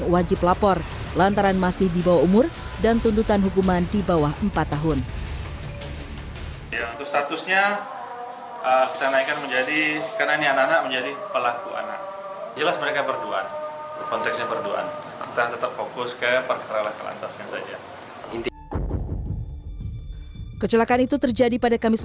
berdua konteksnya berdua tetap fokus ke peralatan lantasnya saja kecelakaan itu terjadi pada kamis